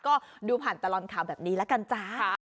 ก็ดูผ่านตลอดข่าวแบบนี้แล้วกันจ้า